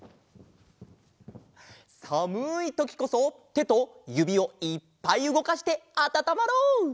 さむいときこそてとゆびをいっぱいうごかしてあたたまろう！